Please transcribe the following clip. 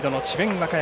和歌山。